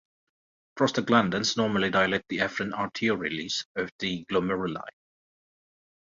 Prostaglandins normally dilate the afferent arterioles of the glomeruli.